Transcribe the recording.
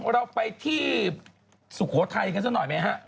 เราไปที่สุโขทัยกันซะหน่อยไหมฮะ